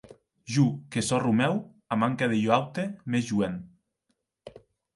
Jo que sò Romèu, a manca de un aute mès joen.